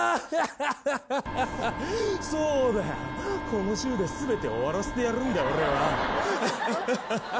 この銃で全てを終わらせてやるんだ俺は。